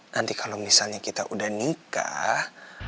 nanti kalau misalnya kita udah nikah